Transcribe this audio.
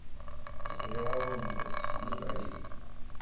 Zṛiɣ-awen-d seg lebɛid.